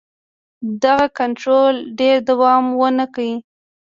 دغه کنټرول ډېر دوام ونه کړ.